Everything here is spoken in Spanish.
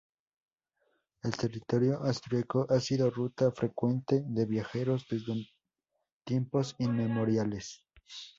El territorio austriaco ha sido ruta frecuente de viajeros desde tiempos inmemoriales.